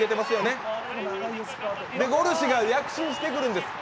ゴルシが躍進してくるんです。